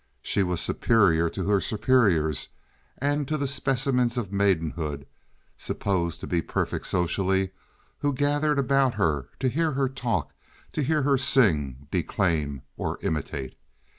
She was superior to her superiors and to the specimens of maidenhood—supposed to be perfect socially—who gathered about to hear her talk, to hear her sing, declaim, or imitate.